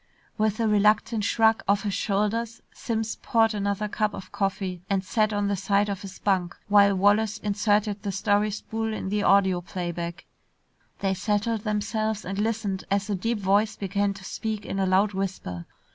With a reluctant shrug of his shoulders, Simms poured another cup of coffee and sat on the side of his bunk while Wallace inserted the story spool in the audio playback. They settled themselves and listened as a deep voice began to speak in a loud whisper.